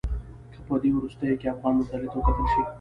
که په دې وروستيو کې افغان لوبډلې ته وکتل شي.